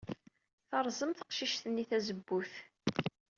Terẓem teqcict-nni tazewwut.